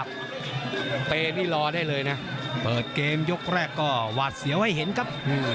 เป่นี่หลอได้เลยเปิดเกมยกแรกว่าเสียวให้เห็นครับ